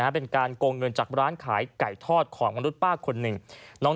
เป็นการโกงเงินจากร้านขายไก่ทอดของมนุษย์ป้าคนหนึ่ง